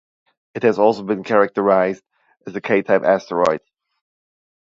It has also been characterized as a K-type asteroid.